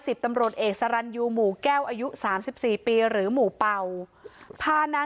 ทีมข่าวของเราก็เลยไปตรวจสอบที่แฟลต์ตำรวจที่สอบภาวเมืองชายนาฏไปดูเบาะแสตามที่ชาวเน็ตแจ้งมาว่า